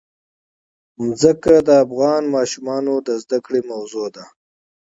ځمکه د افغان ماشومانو د زده کړې موضوع ده.